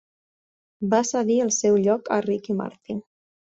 Va cedir el seu lloc a Ricky Martin.